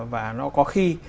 và nó có khi